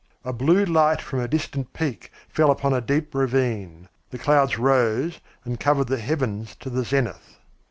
A blue light from a distant peak fell upon a deep ravine; the clouds rose and covered the heavens to the zenith.